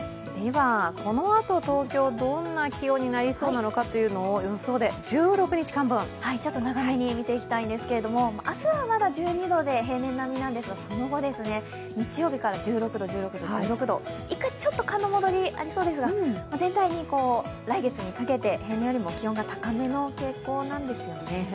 このあと東京どんな気温になりそうなのかというのを長めに見ていきたいんですけれども明日はまだ１２度で平年並みなんですが、その後日曜日から１６度、１６度、１６度１回ちょっと寒の戻りありそうですが全体に来月にかけて平年よりも高めの傾向なんですよね。